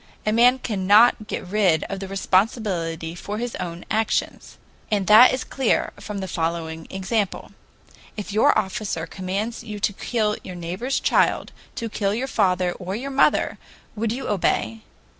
A man cannot get rid of the responsibility, for his own actions. And that is clear from the following example. If your officer commands you to kill your neighbor's child, to kill your father or your mother, would you obey?